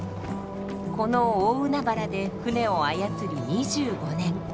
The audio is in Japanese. この大海原で船を操り２５年。